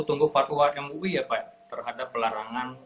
tunggu faranan we terhadap pelarangan